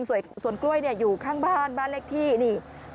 ส่วนสวนกล้วยเนี่ยอยู่ข้างบ้านบ้านเลขที่นี่